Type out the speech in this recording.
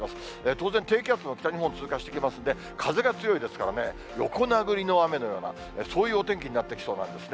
当然、低気圧も北日本を通過していきますんで、風が強いですからね、横殴りの雨のような、そういうお天気になってきそうなんですね。